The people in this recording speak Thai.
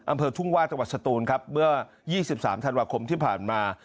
อำเภอทุ่งว่าจังหวัดสตูนครับเมื่อ๒๓ธันวาคมที่ผ่านมา